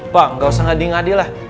bang gak usah ngadi ngadi lah